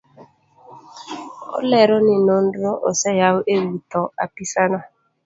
Olero ni nonro oseyaw ewi tho apisano.